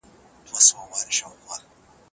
خپل عصبیت او یووالی مه هیروئ.